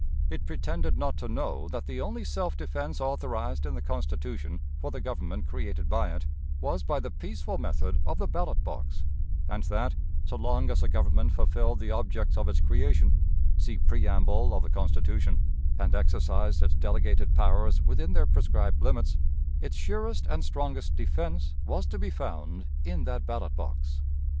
It pretended not to know that the only self defense authorized in the Constitution for the Government created by it, was by the peaceful method of the ballot box; and that, so long as the Government fulfilled the objects of its creation (see preamble of the Constitution), and exercised its delegated powers within their prescribed limits, its surest and strongest defense was to be found in that ballot box.